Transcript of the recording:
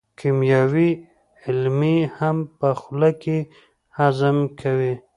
کیمیاوي عملیې هم په خوله کې هضم کوي.